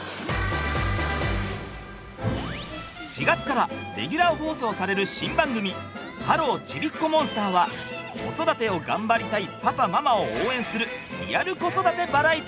４月からレギュラー放送される新番組「ハロー！ちびっこモンスター」は子育てを頑張りたいパパママを応援する